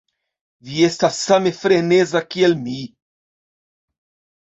Vi estas same freneza, kiel mi.